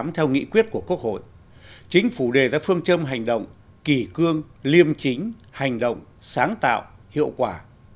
theo nghị quyết của quốc hội chính phủ đề ra phương châm hành động kỳ cương liêm chính hành động sáng tạo hiệu quả